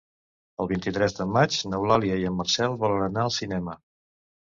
El vint-i-tres de maig n'Eulàlia i en Marcel volen anar al cinema.